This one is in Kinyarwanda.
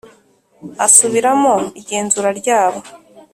asubiramo igenzura ryabo